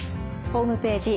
ホームページ